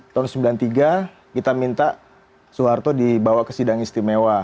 tahun sembilan puluh tiga kita minta soeharto dibawa ke sidang istimewa